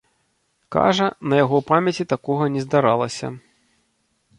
Кажа, на яго памяці такога не здаралася.